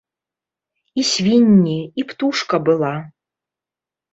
І свінні, і птушка была.